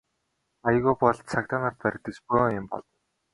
Аягүй бол цагдаа нарт баригдаж бөөн юм болно.